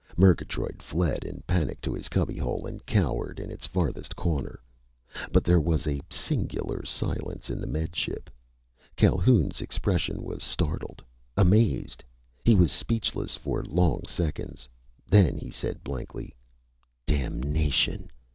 Murgatroyd fled in panic to his cubbyhole and cowered in its farthest corner. But there was a singular silence in the Med Ship. Calhoun's expression was startled; amazed. He was speechless for long seconds. Then he said blankly: "Damnation!